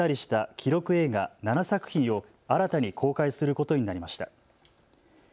記録映画７作品を新たに公開することになりました。